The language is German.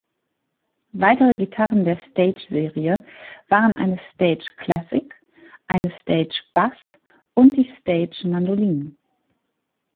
Weitere Gitarren der "„Stage Serie“" waren eine "Stage"-Classic, ein "Stage"-Bass und die "Stage"-Mandolinen.